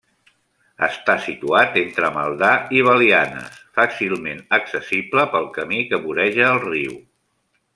Està situat entre Maldà i Belianes, fàcilment accessible pel camí que voreja el riu.